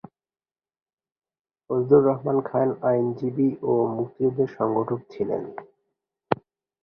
ফজলুর রহমান খান আইনজীবী ও মুক্তিযুদ্ধের সংগঠক ছিলেন।